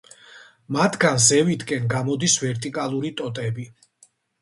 მათგან ზევითკენ გამოდის ვერტიკალური ტოტები.